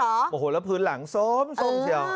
โอ้โหแล้วพื้นหลังสมเฉียว